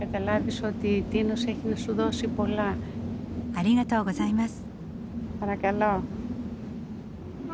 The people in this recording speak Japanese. ありがとうございます。